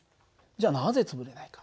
じゃあなぜ潰れないか。